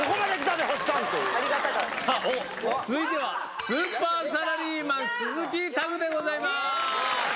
続いてはスーパーサラリーマン鈴木拓でございます。